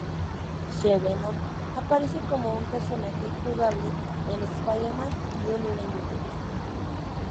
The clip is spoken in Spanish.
She-Venom aparece como un personaje jugable en "Spider-Man Unlimited".